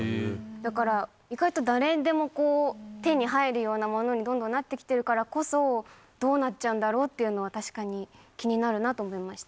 だから、意外と誰にでもこう、手に入るようなものに、どんどんなってきてるからこそ、どうなっちゃうんだろうというのは、確かに気になるなと思いました。